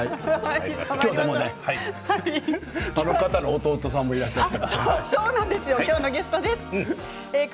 今日はあの方の弟さんもいらっしゃる。